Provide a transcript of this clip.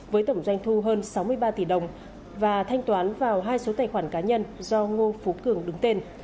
với tổng doanh thu hơn sáu mươi ba tỷ đồng và thanh toán vào hai số tài khoản cá nhân do ngô phú cường đứng tên